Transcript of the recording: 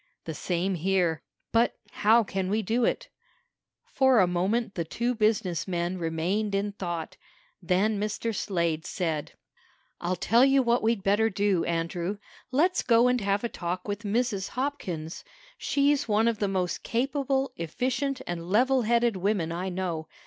"The same here. But how can we do it?" For a moment the two business men remained in thought. Then Mr. Slade said: "I'll tell you what we'd better do, Andrew. Let's go and have a talk with Mrs. Hopkins. She's one of the most capable, efficient and level headed women I know.